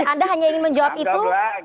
anda hanya ingin menjawab itu